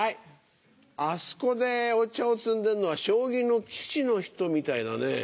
あそこでお茶を摘んでるのは将棋の棋士の人みたいだね。